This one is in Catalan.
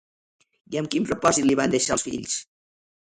I amb quin propòsit li van deixar els fills?